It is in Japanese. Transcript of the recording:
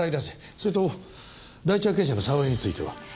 それと第一発見者の澤井については？